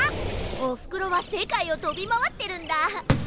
おふくろはせかいをとびまわってるんだ。